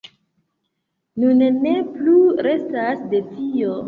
Nun ne plu restas de tio.